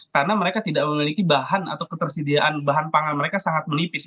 karena mereka tidak memiliki bahan atau ketersediaan bahan pangan mereka sangat melipis